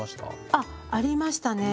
あありましたね